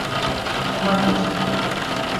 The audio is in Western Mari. Шамакеш